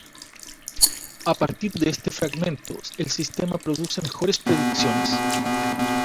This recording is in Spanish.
A partir de este fragmento, el sistema produce mejores predicciones.